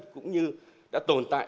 cũng như đã tồn tại